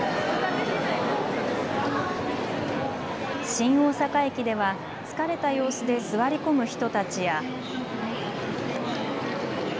新大阪駅では疲れた様子で座り込む人たちや。